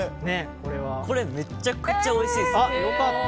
これ、めちゃくちゃおいしいです。